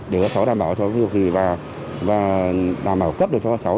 để các cháu đảm bảo cho các cháu thi học kỳ và đảm bảo cấp được cho các cháu